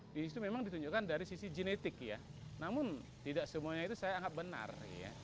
di situ memang ditunjukkan dari sisi genetik ya namun tidak semuanya itu saya anggap benar